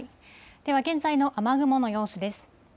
では現在の雨雲の様子です。